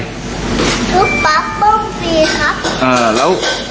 ลูกป๊าป้องสี่ครับ